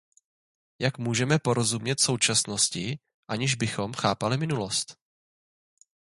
Jak můžeme porozumět současnosti, aniž bychom chápali minulost?